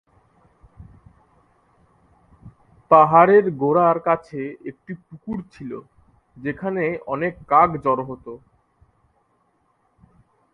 পাহাড়ের গোড়ার কাছে একটি পুকুর ছিল যেখানে অনেক কাক জড়ো হতো।